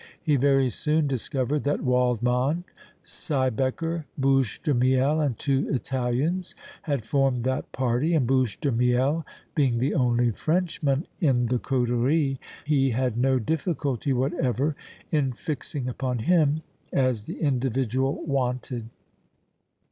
He very soon discovered that Waldmann, Siebecker, Bouche de Miel and two Italians had formed that party, and Bouche de Miel being the only Frenchman in the coterie he had no difficulty whatever in fixing upon him as the individual wanted.